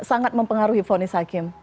itu sangat mempengaruhi ponis hakim